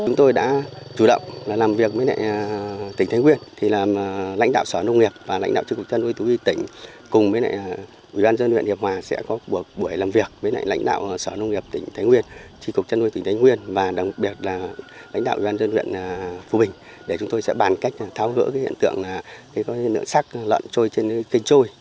chúng tôi đã chủ động làm việc với tỉnh thánh nguyên làm lãnh đạo sở nông nghiệp và lãnh đạo trí cục chân nuôi tùy tỉnh cùng với ủy ban dân huyện hiệp hòa sẽ có buổi làm việc với lãnh đạo sở nông nghiệp tỉnh thánh nguyên trí cục chân nuôi tỉnh thánh nguyên và đồng biệt là lãnh đạo ủy ban dân huyện phú bình để chúng tôi sẽ bàn cách tháo hỡi hiện tượng nửa sắc lợn trôi trên cây trôi